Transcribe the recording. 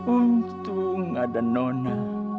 untung ada nona